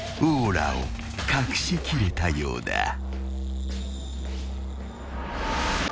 ［オーラを隠しきれたようだ］